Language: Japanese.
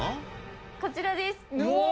こちらです。